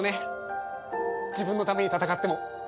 自分のために戦っても。